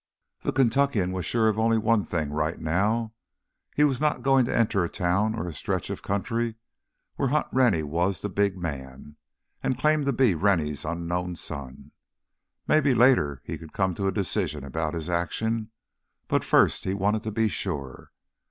The Kentuckian was sure of only one thing right now, he was not going to enter a town or a stretch of country where Hunt Rennie was the big man, and claim to be Rennie's unknown son. Maybe later he could come to a decision about his action. But first he wanted to be sure.